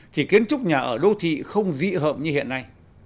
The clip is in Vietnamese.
thì kiến trúc nhà ở đô thị không dị hợp như hiện nay